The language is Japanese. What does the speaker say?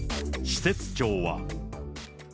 施設長は。